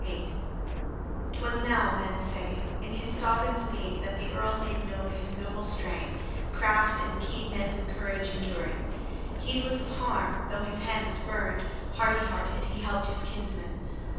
XXXV 'TWAS now, men say, in his sovran's need that the earl made known his noble strain, craft and keenness and courage enduring. Heedless of harm, though his hand was burned, hardy hearted, he helped his kinsman.